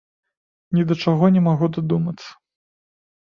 Ні да чаго не магу дадумацца.